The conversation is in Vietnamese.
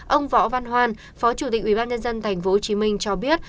ông võ văn hoan phó chủ tịch ubnd tp hcm cho biết